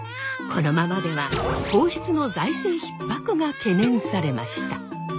このままでは皇室の財政逼迫が懸念されました。